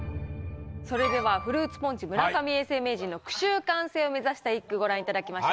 それではフルーツポンチ村上永世名人の句集完成を目指した一句ご覧いただきましょう。